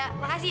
terima kasih ya